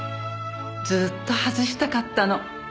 ずっと外したかったの。